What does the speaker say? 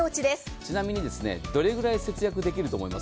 ちなみにどれぐらい節約できると思います？